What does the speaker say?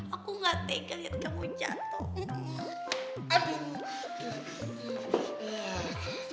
aku gak tega lihat kamu jatuh